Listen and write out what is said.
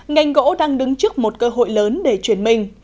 ngành gỗ đang đứng trước một cơ hội lớn để chuyển mình